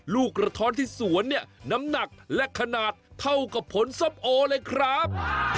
ลูกกระท้อนที่สวนเนี่ยน้ำหนักและขนาดเท่ากับผลส้มโอเลยครับ